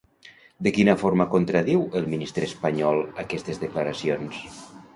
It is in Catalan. De quina forma contradiu el ministre espanyol aquestes declaracions?